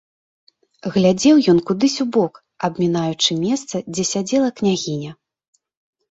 Глядзеў ён кудысь убок, абмінаючы месца, дзе сядзела княгіня.